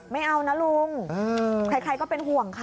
ไม่เอานะลุงใครก็เป็นห่วงค่ะ